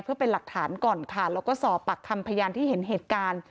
เพื่อเป็นหลักฐานก่อนค่ะแล้วก็สอบปากคำพยานที่เห็นเหตุการณ์